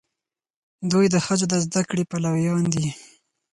دوی د ښځو د زده کړې پلویان دي.